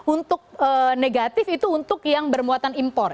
untuk negatif itu untuk yang bermuatan impor